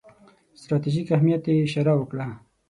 ستراتیژیک اهمیت ته یې اشاره وکړه.